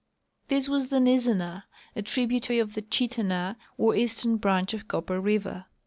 This Avas the Nizzenah, a tributary of tlie Chittenah, or eastern branch of Copper river.